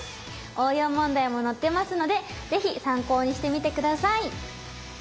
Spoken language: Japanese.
応用問題も載ってますので是非参考にしてみて下さい！